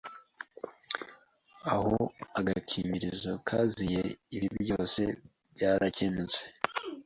Aho agakingirizo kaziye, ibi byose byarakemutse.